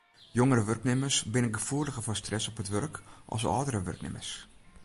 Jongere wurknimmers binne gefoeliger foar stress op it wurk as âldere wurknimmers.